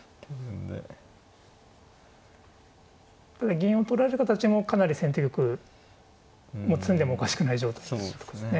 銀を取られた形もかなり先手玉も詰んでもおかしくない状態でしたね。